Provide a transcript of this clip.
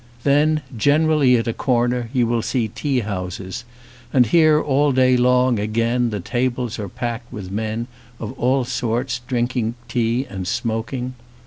Then, gener ally at a corner, you will see tea houses, and here all day long again the tables are packed with men of all sorts drinking tea and smoking.